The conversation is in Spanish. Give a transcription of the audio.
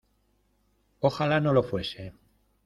¡ ojalá no lo fuese!